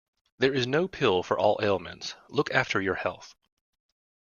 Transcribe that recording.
There is no pill for all ailments, look after your health.